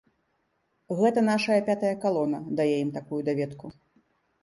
Гэта нашая пятая калона дае ім такую даведку.